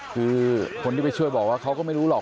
คือคนที่ไปช่วยบอกว่าเขาก็ไม่รู้หรอก